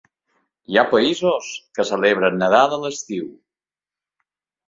Hi ha països que celebren Nadal a l'estiu.